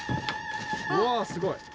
うわあすごい！